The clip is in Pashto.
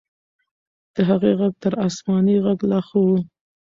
د هغې ږغ تر آسماني ږغ لا ښه و.